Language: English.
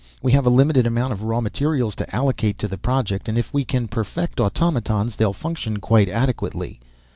We have a limited amount of raw materials to allocate to the project, and if we can perfect automatons they'll function quite adequately.